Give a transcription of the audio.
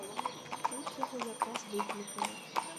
Тут яго якраз выклікалі.